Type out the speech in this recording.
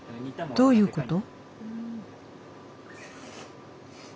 どういうこと？